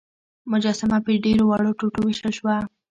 مجسمه په ډیرو وړو ټوټو ویشل شوه.